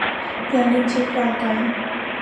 อย่าลืมเช็ครายการ